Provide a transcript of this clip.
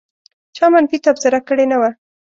چا منفي تبصره کړې نه وه.